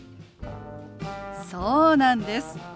そうなんです。